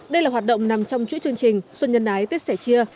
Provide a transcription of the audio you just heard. đây là hoạt động nằm trong chuỗi chương trình xuân nhân ái tết sẻ chia